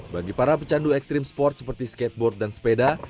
bagi para pecandu ekstrim sport seperti skateboard dan sepeda